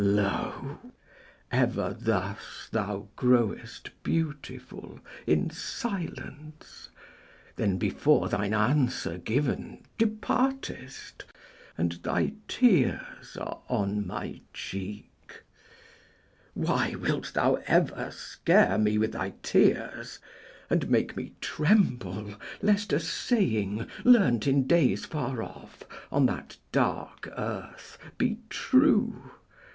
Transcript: Lo! ever thus thou growest beautiful In silence, then before thine answer given Departest, and thy tears are on my cheek. Why wilt thou ever scare me with thy tears, And make me tremble lest a saying learnt, In days far off, on that dark earth, be true?